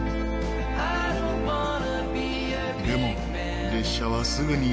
でも列車はすぐに内陸へ。